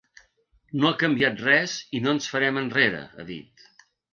No ha canviat res i no ens farem enrere, ha dit.